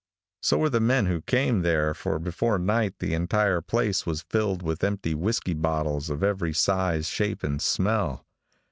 So were the men who came there, for before night the entire place was filled with empty whisky bottles of every size, shape and smell.